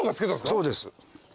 そうです。